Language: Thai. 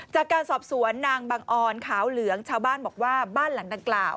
จากการสอบสวนนางบังออนขาวเหลืองชาวบ้านบอกว่าบ้านหลังดังกล่าว